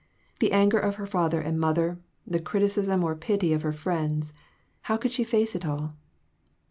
The anger of her father and mother, the criticism or pity of her friends how could she face it all?